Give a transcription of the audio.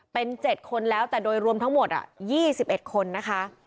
เป็น๗คนแล้วแต่โดยรวมทั้งหมด๒๑คนนะคะ